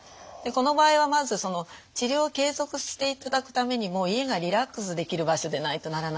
この場合はまずその治療を継続していただくためにも家がリラックスできる場所でないとならないんですね。